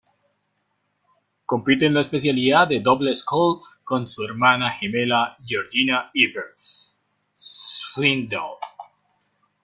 Compite en la especialidad de doble scull con su hermana gemela Georgina Evers-Swindell.